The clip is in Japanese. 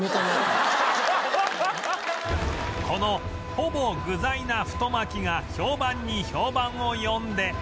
このほぼ具材な太巻きが評判に評判を呼んで